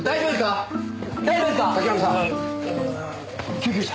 救急車。